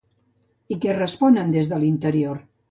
I què responen des de l'interior?